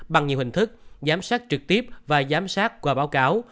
bằng nhiều hình thức giám sát trực tiếp và giám sát qua báo cáo